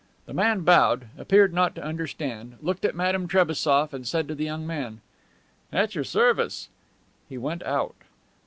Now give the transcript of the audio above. The man bowed, appeared not to understand, looked at Madame Trebassof and said to the young man: "At your service." He went out.